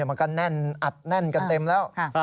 มันก็แน่นอัดแน่นกันเต็มแล้ว